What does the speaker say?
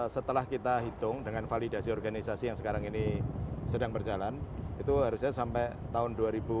setelah kita hitung dengan validasi organisasi yang sekarang ini sedang berjalan itu harusnya sampai tahun dua ribu dua puluh